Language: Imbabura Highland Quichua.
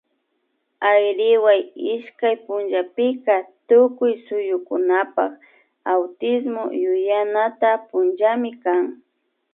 Ayriwa ishkay punllapika tukuy suyukunapak Autismo yuyanata punllami kan